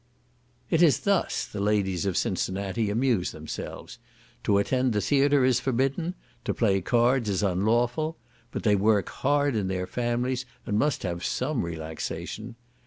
It is thus the ladies of Cincinnati amuse themselves; to attend the theatre is forbidden; to play cards is unlawful; but they work hard in their families, and must have some relaxation.